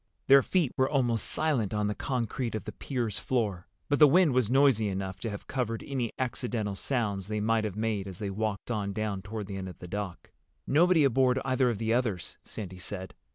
Their feet were almost silent on the concrete of the pier's floor, but the wind was noisy enough to have covered any accidental sounds they might have made as they walked on down toward the end of the dock. "Nobody aboard either of the others," Sandy said.